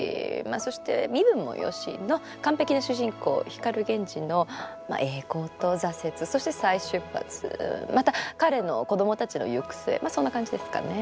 あそして身分もよしの完璧な主人公光源氏の栄光と挫折そして再出発またかれの子どもたちの行く末まあそんな感じですかね。